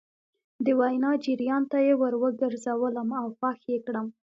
د وينا جريان ته يې ور ګرځولم او خوښ يې کړم.